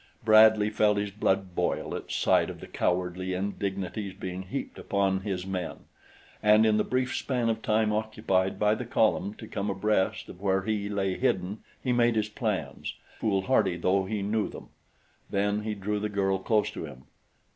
Bradley felt his blood boil at sight of the cowardly indignities being heaped upon his men, and in the brief span of time occupied by the column to come abreast of where he lay hidden he made his plans, foolhardy though he knew them. Then he drew the girl close to him.